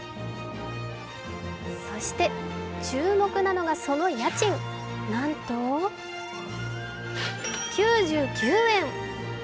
そして注目なのがその家賃、なんと９９円。